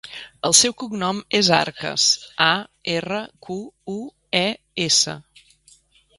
El seu cognom és Arques: a, erra, cu, u, e, essa.